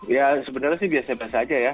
ya sebenarnya sih biasa biasa aja ya